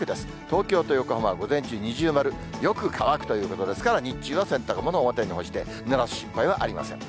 東京と横浜は午前中、二重丸、よく乾くということですから、日中は洗濯物を表に干して、ぬらす心配はありません。